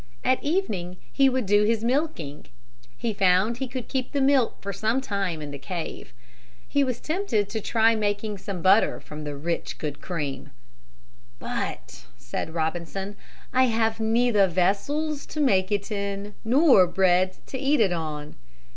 At evening he would do his milking. He found he could keep the milk for some time in the cave. He was tempted to try making some butter from the good, rich cream. "But," said Robinson, "I have neither vessels to make it in nor bread to eat it on."